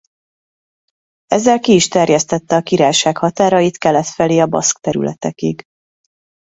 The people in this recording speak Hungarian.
Ezzel ki is terjesztette a királyság határait kelet felé a baszk területekig.